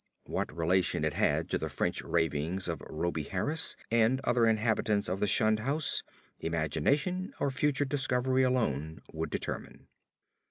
What relation it had to the French ravings of Rhoby Harris and other inhabitants of the shunned house, imagination or future discovery alone could determine.